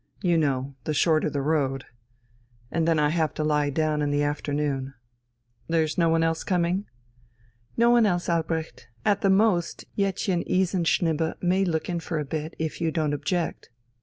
You know, the shorter the road ... And then I have to lie down in the afternoon.... There's no one else coming?" "No one else, Albrecht. At the most, Jettchen Isenschnibbe may look in for a bit, if you don't object...."